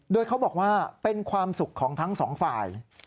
โดยเขาบอกว่าเป็นความสุขของทั้งสองฝ่าย